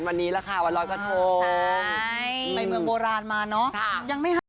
ไม่เหมือนโบราณมาเนาะ